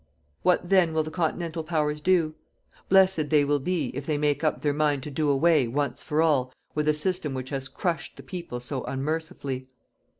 What then will the continental powers do? Blessed they will be, if they make up their mind to do away, once for all, with a system which has crushed the peoples so unmercifully.